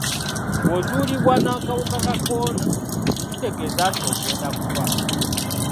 Bw'ozuulibwa n'akawuka ka kolona tekitegeeza nti ogenda kufa.